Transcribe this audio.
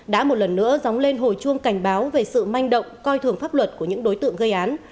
đã một lần nữa dóng lên hồi chuông cảnh báo về sự manh động coi thường pháp luật của những đối tượng gây án